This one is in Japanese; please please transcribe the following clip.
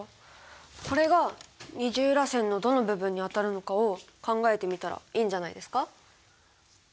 これが二重らせんのどの部分にあたるのかを考えてみたらいいんじゃないですか？